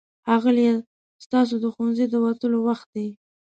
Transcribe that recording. ښاغلیه! ستاسو د ښوونځي د تلو وخت دی.